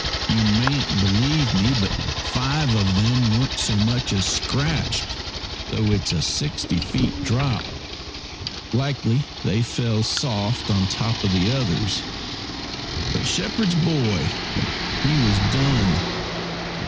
You mayn't believe me, but five of them weren't so much as scratched, though it's a sixty feet drop. Likely they fell soft on top of the others. But shepherd's boy he was done.